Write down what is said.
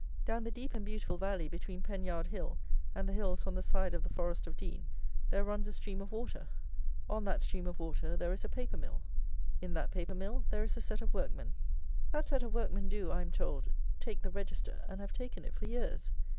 Down the deep and beautiful valley between Penyard Hill and the Hills on the side of the Forest of Dean, there runs a stream of water. On that stream of water there is a paper mill. In that paper mill there is a set of workmen. That set of workmen do, I am told, take the Register, and have taken it for years!